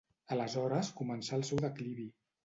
Aleshores començà el seu declivi.